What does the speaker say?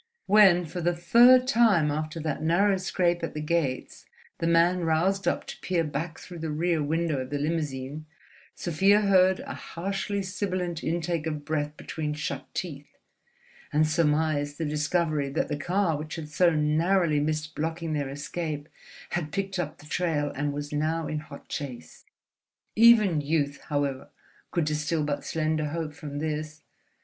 When for the third time after that narrow scrape at the gates the man roused up to peer back through the rear window of the limousine, Sofia heard a harshly sibilant intake of breath between shut teeth, and surmised the discovery that the car which had so narrowly missed blocking their escape had picked up the trail, and was now in hot chase. Even youth, however, could distill but slender hope from this.